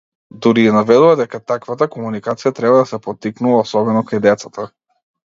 Дури и наведува дека таквата комуникација треба да се поттикнува, особено кај децата.